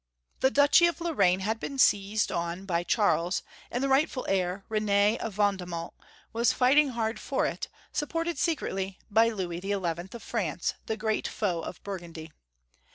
The Duchy of Lorraine had been seized on by Charles, and the rightful heir, R^ne of Vanddmont, was fighting hard for it, supported secretly by Louis XL of France, the great foe of Burgundy.